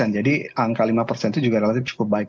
jadi angka lima itu juga relatif cukup baik